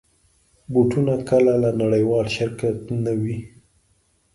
بوټونه کله له نړېوال شرکت نه وي.